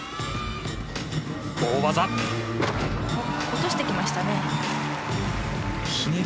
落としてきましたね。